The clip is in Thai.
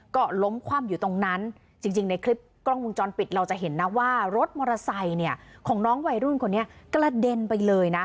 ก็ล้มคว่ำอยู่ตรงนั้นจริงในคลิปกล้องวงจรปิดเราจะเห็นนะว่ารถมอเตอร์ไซค์เนี่ยของน้องวัยรุ่นคนนี้กระเด็นไปเลยนะ